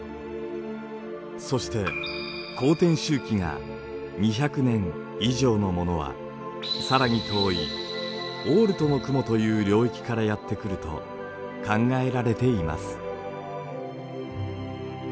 そして公転周期が２００年以上のものは更に遠いオールトの雲という領域からやって来ると考えられています。